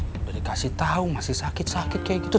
beri kasih tau masih sakit sakit kayak gitu